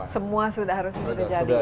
semua sudah harus sudah jadi